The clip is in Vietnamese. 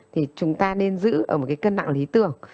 thì chúng ta nên giữ ở một cái cân nặng lý tưởng